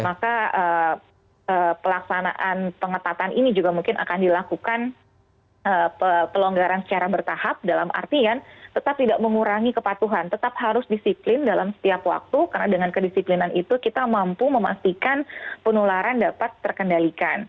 maka pelaksanaan pengetatan ini juga mungkin akan dilakukan pelonggaran secara bertahap dalam artian tetap tidak mengurangi kepatuhan tetap harus disiplin dalam setiap waktu karena dengan kedisiplinan itu kita mampu memastikan penularan dapat terkendalikan